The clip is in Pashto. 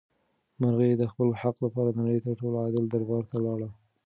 مرغۍ د خپل حق لپاره د نړۍ تر ټولو عادل دربار ته لاړه.